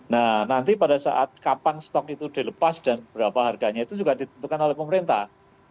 nah nanti pada saat kapan stok itu dilepas dan berapa harganya itu juga ditentukan oleh pemerintah